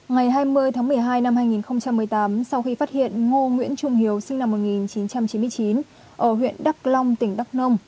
ngày hai mươi tháng một mươi hai năm hai nghìn một mươi tám sau khi phát hiện ngô nguyễn trung hiếu sinh năm một nghìn chín trăm chín mươi chín ở huyện đắk long tỉnh đắk nông